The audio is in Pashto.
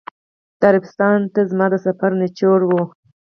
دا عربستان ته زما د سفر نچوړ و.